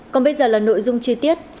còn bây giờ là nội dung chi tiết